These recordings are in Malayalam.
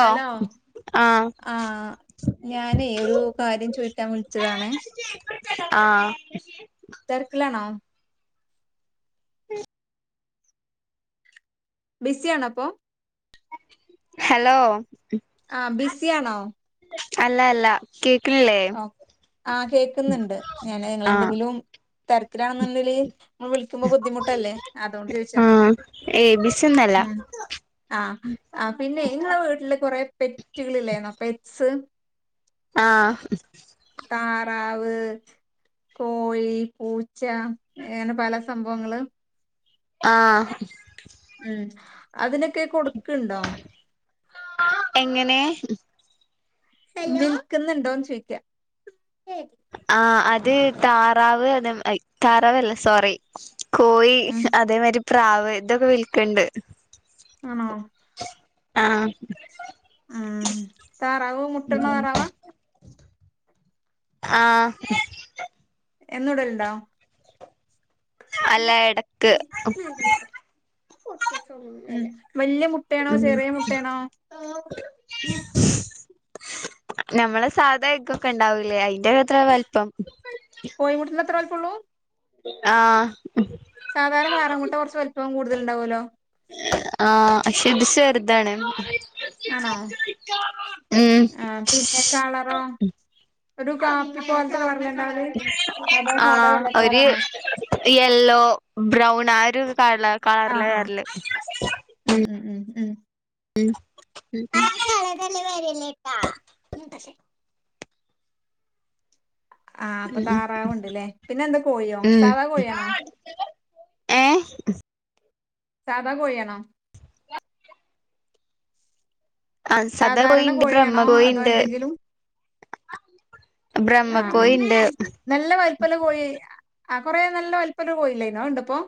ഹലോ ആഹ് ആഹ് ഞാനെ ഒരു കാര്യം ചോയ്ക്കാൻ വിളിച്ചതാണേ ആഹ് തെര്ക്ക്ലണോ [unintelligible] ബിസിയാണൊ ഇപ്പൊ ഹെലോ ആഹ് ബിസിയാണോ അല്ല അല്ല കേക്ക്ണ്ല്ലേ ആഹ് കേൾക്ക്ന്ന്ണ്ട് ഞാന് ഇങ്ങളെന്തെങ്കിലും തിരക്കിലാനിണ്ടേല്ല് ഇങ്ങള് വിളികുമ്പ ബുദ്ദിമുട്ടല്ലെ അതോണ്ട് ചോയിച്ച ഏ ബി സി ഒന്നുന്നല്ല ആഹ് ആഹ് പിന്നെ നിങ്ങളെ വീട്ടില് കൊറെ പെറ്റുകളിലെന്നൊ പെറ്റ്സ് ആഹ് താറാവ് കോഴി പൂച്ച അങ്ങനെ പല സംഭവങ്ങള് ആഹ് ഉം അതിനൊക്കെ കൊട്ക്ക്ണ്ണ്ടോ എങ്ങനെ വിൽക്കുന്നുണ്ടോന്ന് ചോയ്ക്ക ആഹ് അത് താറാവ് അത് ആയി തരാവല്ല സോറി കോഴി ഉം അതേമാരി പ്രാവ് ഇതൊക്കെ വിൽക്കണ്ട് ആഹ് ആഹ് മ് താറാവ് മുട്ടടുന്ന താറാവ ആഹ് എന്നൂടലിണ്ടോ അല്ല എടക്ക് മ് വല്യയ മുട്ടയാണോ ഉം ചെറിയ മുട്ടയാണോ ഞമ്മളെ സാധ എകൊക്കെ ഇണ്ടാവൂലേ അതിന്റെ അത്ര വലിപ്പം കോഴിമുട്ടെന്റെ അത്ര വലിപ്പുള്ളൂ ആഹ് സാധാരണ താറാമുട്ട കൊറച്ച് വലിപ്പം കൂടുതല് ഇണ്ടാവുല്ലോ ആ ക്ഷെ ഇത് ചെറുതാണ് ആണോ ഉം ആ പിന്നെ കളറോ ഒരു കാ പ്പോലത്തെ കളറല്ലേ ഇണ്ടാവല് അതോ സാധാ ആഹ് വെള്ള ഒരു കളറാണോ യെല്ലോ ബ്രൗൺ ആ ഒര് ആ ആ കള [unintelligible] ഉം ഉം ഉം ഉം ഉം ഉം ഉം ഉം [unintelligible] വേരല് ഇട്ട ആ അപ്പ ഉം താറാവുണ്ടല്ലേ പിന്നെ എന്താ കോഴിയോ സാധാ കോഴിയാണോ ഏയ് സാധാ കോഴിയാണോ ആ സധാകോയി സാധാരണ ഇണ്ട് കോഴിയാണോ ബ്രഹ്മകോയി അതോ ഇണ്ട് എന്തെങ്കിലും ആ ആ ബ്രഹ്മക്കോയി ഇണ്ട് നല്ല വലിപ്പള്ള കോയി ആ കൊറെ നല്ല വലിപ്പള്ള കോയില്ലെ അതിണ്ടിപ്പോ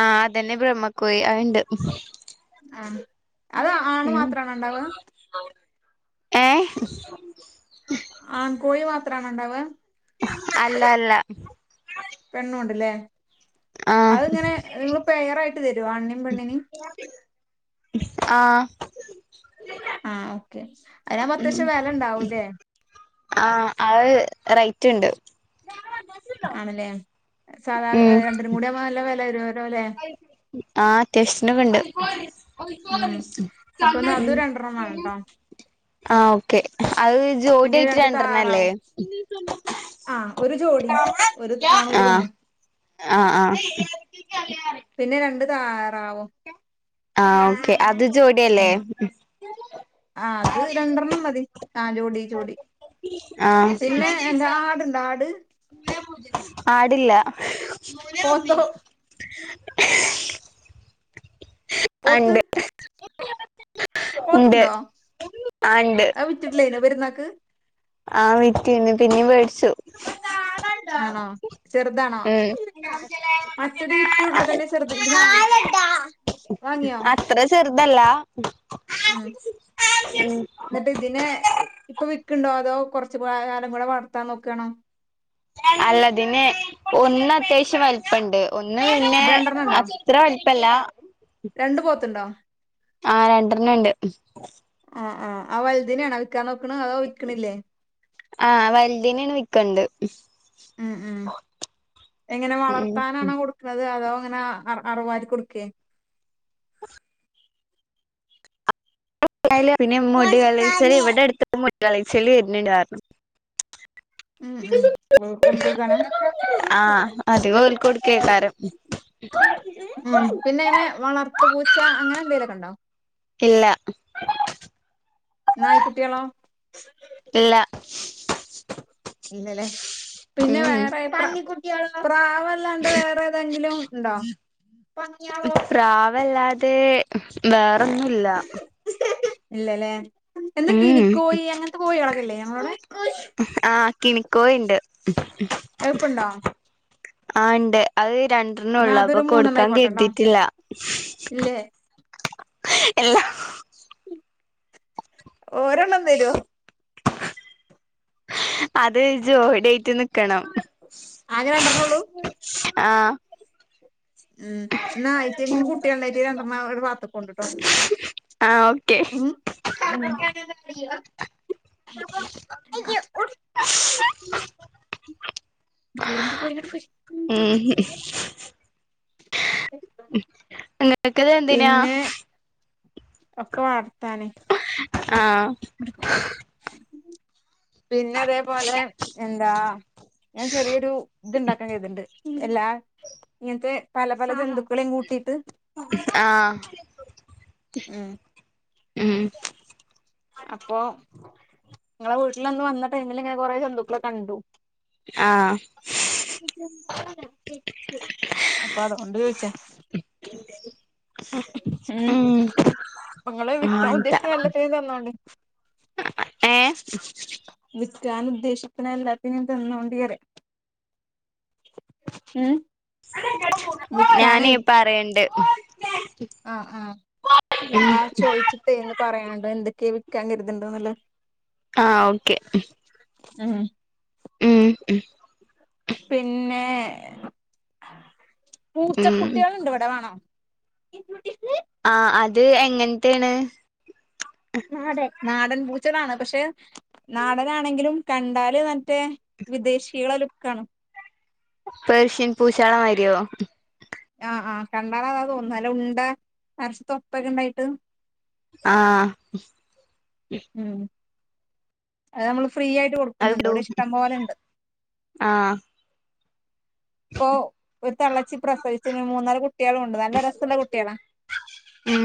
ആ അതന്നെ ബ്രഹ്മക്കോയി അയി ഇണ്ട് ആഹ് ഉം ഏഹ് ആൺ കോഴി മാത്രാണ് ഉണ്ടാവ അല്ല അല്ല പെണ്ണുണ്ടല്ലേ ആഹ് അതെങ്ങനെ നിങ്ങള് പേയറായിട്ട് തെരുവാ ആണിനേം ആഹ് ആഹ് ഓക്കെ അയിനാമ്പം അത്യാവശ്യം വെല ഇണ്ടാവൂലേ ആഹ് അത് റൈറ്റ് ഇണ്ട് ആണല്ലേ സാധാ ഉം രണ്ടിനും കൂടി ആവുമ്പോ നല്ല വെല വെരു ആഹ് അത്യാവശ്യത്തിനെക്കെണ്ട് അപ്പൊന്ന അത് രണ്ടറണ്ണം വേണോട്ടോ ആ ഓക്കെ അത് പിന്നെ ജോഡിയായിട്ട് രണ്ട് രണ്ടറണ്ണം അല്ലേ താറാവും ആ ഒര് ജോഡി ഒര് ആണും ഒര് ആഹ് പെണ്ണും ആഹ് ആഹ് പിന്നെ രണ്ട് താറാവും ആ ഓക്കെ അത് ജോഡിയല്ലേ ഉം ആ അത് രണ്ടറണ്ണം മതി ആ ജോഡി ജോഡി ആഹ് പിന്നെ എന്താ ആടിണ്ട ആട് ആടില്ല പോത്തോ ആ ഇണ്ട് പോത്തിണ്ടോ ആണ്ട് ആ വിറ്റിട്ടില്ലേ അയിനെ വെരുന്നാക്ക് ആ വിറ്റ് പിന്നേം വേടിച്ചു ആണോ ചെറുതാണോ ഉം മറ്റത് വിറ്റ് ഉടനെ തന്നെ ചെറുത് ഇതിനെ വാങ്ങിയോ അത്ര ചെറുതല്ല ഉം ഉം എന്നിട്ട് ഇതിനെ ഇപ്പൊ വിക്ക്ണ്ടോ അതോ കൊറച്ചു കാലം കൂടെ വളർത്താൻ നോക്കാണോ അല്ല ഇതിന് ഒന്ന് അത്യാവശ്യ വലിപ്പണ്ട് ഒന്ന് പിന്നെ അപ്പൊ രണ്ടെണ്ണം ഉണ്ടോ അത്ര വലിപ്പല്ല രണ്ട് പോത്ത് ഇണ്ടോ ആഹ് രണ്ടെണ്ണം ഇണ്ട് ആഹ് ആഹ് ആ വൽതിനെണോ വിക്കാൻ നോക്കണ് അതോ വിക്ക്ണില്ലേ ആ വൽതിനെ വിക്കണ്ട് ഉം ഉം എങ്ങനെ ഉം വളർത്താനാണോ കൊടുക്കണ്ട് അത് അതവാങ്ങനെ അറവാര്ക്ക് കൊടുക്കെ പിന്നെ മുടി കളീച്ചല് വട്ടാനെ ഇവിടെ അടുത്ത് മുടി കളീച്ചല് വര്ന്ന്ണ്ട് പറഞ്ഞു ഉം ഉം ഓല്ക്ക് കൊണ്ടൊട്ക്കാനാ ആഹ് അധികം ഓൽക്ക് കൊടുക്കേക്കാരം ഉം പിന്നെ ഇങ്ങനെ വളർത്ത് പൂച്ച അങ്ങനെ എന്തെലൊക്കെ ഇണ്ടോ ഇല്ല നായി കുട്ടികളോ ഇല്ല ഇല്ലല്ലേ പിന്നെ ഉം വേറെ പ്ര പ്രാവ് അതല്ലാണ്ട് വേറെ ഏതെങ്കിലും ഇണ്ടോ പ്രാവല്ലാതെ വേറെന്നും ഇല്ല ഇല്ലല്ലേ എന്താ ഉം കിനിക്കോയി അങ്ങനത്തെ കോയാളൊക്കെ ല്ലേ ഞങ്ങളോടെ ആഹ് കിണിക്കോയിണ്ട് എൾപ്പണ്ടോ ആഇണ്ട് അത് രണ്ടെണ്ണ ഉള്ളൂ മൂന്നെണ്ണം അപ്പൊകൊടുക്കാൻ ആയിക്കോട്ടെട്ടോ കെരുതിട്ടില്ല ഇല്ലേ എല്ലാ ഓരോണ്ണം തരോ അത് ജോഡിയായിറ്റ് നിക്കണം ആകെ രണ്ടെണ്ണം ഒള്ളൂ ആഹ് ഉം ബന്ന ആയിറ്റങ്ങക്ക് കുട്ടിയാള് ഇണ്ടായണ് രണ്ടണ്ണം അവടെ പാത്ത് വെക്കൊണ്ട് ട്ടോ ആഹ് ഓക്കെ ഉം [unintelligible] ഇങ്ങട്ട് പോര് ഇങ്ങട്ട് പോര് ഇങ്ങട്ട് പോര് ഉം ഇങ്ങക്ക്ത് എന്തിനാ പിന്നെ ഒക്കെ വാർത്താന് ആഹ് ഉ പിന്നെ അതേപോലെ എന്താ ഞാൻ ചെറിയൊരു ഇത്ണ്ടാക്കാൻ കെര്ത്ണ്ട് എല്ലാ ഇങ്ങനത്തെ പല പല ജന്തുക്കളെയും കൂട്ടിയിട്ട് ആഹ് ഉം ഉം അപ്പൊ നിങ്ങളെ വീട്ടിലൊന്ന് വന്ന ടൈമിൽ ഇങ്ങനെ കൊറെ ജന്തുക്കളക്കെ കണ്ടു ആഹ് അപ്പൊ അത് കൊണ്ട് ചോദിച്ച ഉം അപ്പെ ഇങ്ങള് വിൽക്കാൻ അങ്ങൻത്ത ഉദ്ദേശിക്കുന്ന എല്ലാത്തിനേം തന്നോണ്ട് ഏഹ് വിൽക്കാൻ ഉദ്ദേശിക്കുന്ന എല്ലാത്തിനും തന്നോണ്ടി അറ്യ ഉം ഞാന് വിൽക്കാനേ പറയണ്ട് ആഹ് ആഹ് ഉം എന്നാ ചോയിച്ചിട്ടേന്ന് പറയാനണ്ട് എന്തൊക്കെ വിൽക്കാൻ കരുതണ്ട്ന്ന്ള്ളെ ആഹ് ഓക്കെ ഉം ഹു ഉം ഉം പിന്നെ ഉം പൂച്ചക്കുട്ടികളുണ്ട് ഇവിടെ വേണോ ആഹ് അത് എങ്ങൻത്തെണ് നാടൻ നാടൻ പൂച്ചളാണ് പക്ഷെ നാടനാണെങ്കിലും കണ്ടാല് മറ്റേ വിദേശികളെ ലുക്ക ആണ് പേർഷ്യൻ പൂശാള മാരിയോ ആഹ് ആഹ് കണ്ടാല അതാ തോന്നുന്നു അല്ല ഉണ്ട അര്സ് തൊപ്പൊക്കെണ്ടായിട്ട് ആഹ് ഉം അത് നമ്മള് ഫ്രീ ആയിട്ട് കൊടു ന്നുണ്ട് അത്ടൂ ഇവിടെ ഇഷ്ടം പോലെണ്ട് ആ ഇപ്പൊ ഒരു തള്ളച്ചി പ്രസവിച്ച മൂന്നാല് കുട്ടികളും ഉണ്ട് നല്ല രസള്ള കുട്ടികളാ ഉം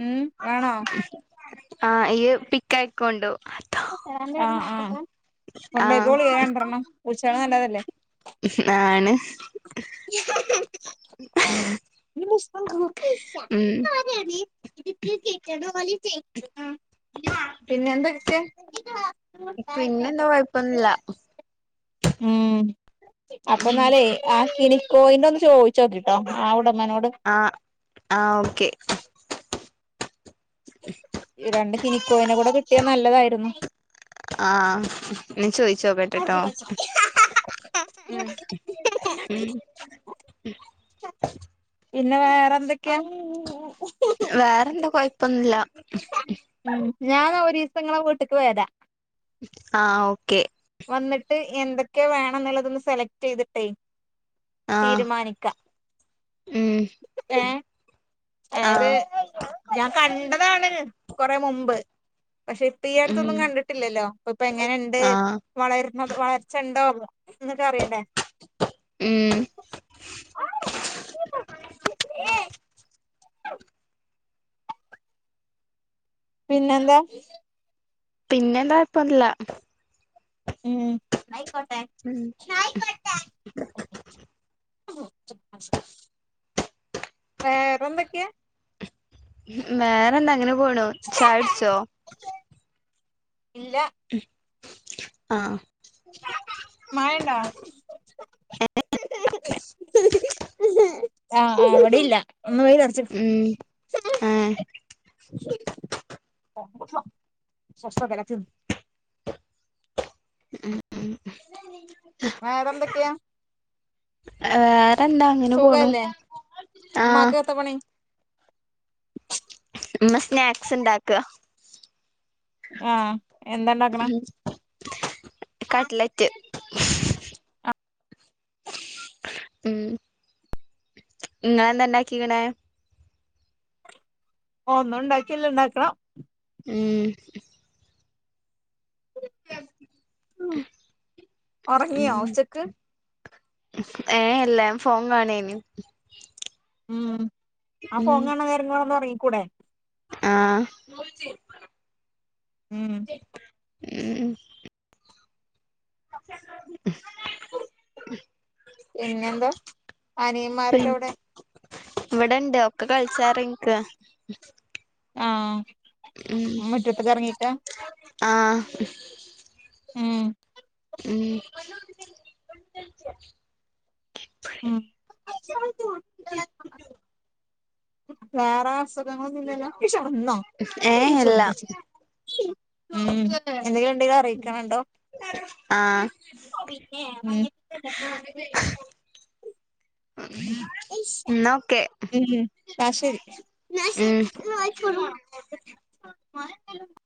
ഉം വാണോ ആഹ് ഈ പിക്കയ്ക്കോണ്ടോ ആഹ് ആഹ് ആ കൊണ്ടയ്കോളി അണ്ട്ര്ണ്ണം പൂച്ചള് നല്ലതല്ലേ ആണ് ഉം ഉം ഞാന് ഇത് കേറ്റ പോല ചേച്ച ന്വാ പിന്നെ എന്തൊക്കെ പിന്നെന്താ കൊഴപ്പൊന്നില്ല ഉം അപ്പൊ ന്നാലേ ആഹ് കിളി കോയിന്റ ഒന്ന് ചോദിച്ചോക്കിട്ടോ ആ ഉടമനോട് ആഹ് ആഹ് ഓക്കെ രണ്ട് കിനിക്കോവിനെ കൂടെ കിട്ടിയാ നല്ലതായിരുന്നു ആഹ് ൻ ചോയ്ച്ചോകേട്ടെ ട്ടട്ടോ ഉം ഉം പിന്നെ വേറെ എന്തൊക്കെയാ വേറെന്താ കൊഴപ്പൊന്നുല്ല ഞാൻ ഒരീസം ഇങ്ങളെ വീട്ടിക്ക് വരാ ആഹ് ഓക്കെ വന്നിട്ട് എന്തൊക്കെയാ വേണംന്നുള്ളതൊന്ന് സെലക്ട്യ്തിട്ടേ ആ തീരുമാനിക്കാം ഉം ഏഹ് ആ എത്. ഞാൻ കണ്ടതാണ് കൊറേ മുമ്പ് പഷെ. പ്പി ഉം അടുത്തൊന്നും കണ്ടിട്ടില്ലല്ലോ ഇപ്പൊ എങ്ങനെണ്ട് ആ വളര് ണ വളർച്ചണ്ടോ.. ഇന്നതറിയണ്ടേ.. ഉം പിന്നെല്ലാ പിന്നെ എന്താ പ്പല്ല.. ഉം ന്നായിക്കോട്ടെ ഉം ക [unintelligible] വേറെന്തക്യ. ഹും വേറെ എന്താ അങ്ങനെ പോണു ചായടിച്ചോ. ഇല്ല മ്ഹ് ആഹ് മഴണ്ടോ ആഹ് ആഹ് വടില്ല ഒന്ന് വെയില് അർച് ഉം ഏ [unintelligible] ഉം ഉം [unintelligible] വേറെന്തൊക്കെ [unintelligible] വേറെന്താ അങ്ങനെ പോണു ആഹ് ത്ത പണി ഇമ്മ സ്നാക്സ്ണ്ടാക്അ. ആഹ് എന്താണ്ടാക്ണഹ് ഉം കട്ട്ലറ്റ് ഉം ഇങ്ങളെന്തണ്ടാകിക്ണ് ഓ ന്നും ണ്ടാക്കിയില്ല ണ്ടാക്കണം ഉം ഉം ഉറങ്ങിയോ മ്മ്ഹ് ഉച്ചക്ക് ഏഹ് അല്ല ഞ ഫോം കാണേനിം മ്മ്ഹും ആ ഫോങ്ങാണെനേരങ്ങൊണ്ട് ഒന്നോറങ്ങികൂടെ.. ആഹ് മ്മ്ഹ്. [unintelligible] [inaudible] പിന്നെന്താ അനിയന്മാരൊക്കെ എവിടെ ഇവടെണ്ട് ഒക്കെ കൾച്ചാറങ്ങീകാ. ആഹ് ഉം മുറ്റത്ത്ക്ക് ഇറങ്ങിക്കാ ആഹ് ഉം ഉം ഉം വേറെ അസ് സ്ഖങ്ങളോന്നു ഇല്ലല്ലോ ഇഷ് അവട്ന്നൊ ഏ അല്ല [unintelligible] ഉം എന്തെങ്കിലു ണ്ട് [unintelligible] കയിക്കണ് ണ്ടോ ആഹ് ഓഹ് പിന്നെ [unintelligible] ഉം ഇഷ ഇന്നാ ഓക്കെ ന്നാ ശെരി ഉം [unintelligible]